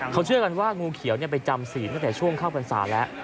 คนที่เชื่อว่างูเขียวไปจำศีลตั้งแต่ช่วงคร่าวปรัศนก์แล้ว